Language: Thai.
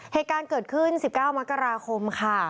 เหตุการณ์เกิดขึ้น๑๙มัฯคราคม